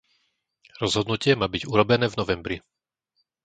Rozhodnutie má byť urobené v novembri.